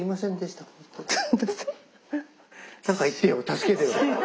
助けてよ。